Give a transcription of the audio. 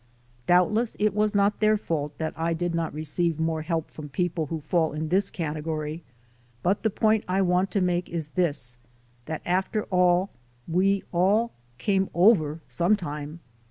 Doubtless it was not their fault that I did not receive more help from people who fall in this category, but the point I want to make is this: that after all we all "came over" sometime